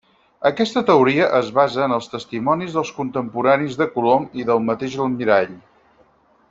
Aquesta teoria es basa en els testimonis dels contemporanis de Colom i del mateix almirall.